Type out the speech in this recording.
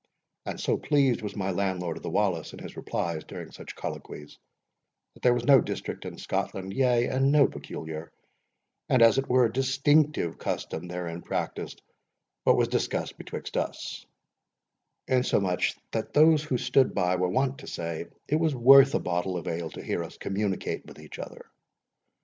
And so pleased was my Landlord of the Wallace in his replies during such colloquies, that there was no district in Scotland, yea, and no peculiar, and, as it were, distinctive custom therein practised, but was discussed betwixt us; insomuch, that those who stood by were wont to say, it was worth a bottle of ale to hear us communicate with each other.